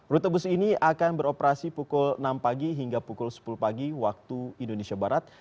rute bus ini akan beroperasi pukul enam pagi hingga pukul sepuluh pagi waktu indonesia barat